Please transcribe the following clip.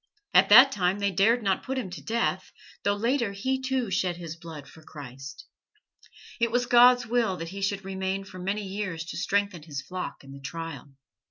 At that time they dared not put him to death, though later he, too, shed his blood for Christ. It was God's will that he should remain for many years to strengthen his flock in the trial."